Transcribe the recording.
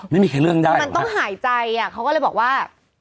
ไม่มีใครเรื่องได้มันต้องหายใจอ่ะเขาก็เลยบอกว่า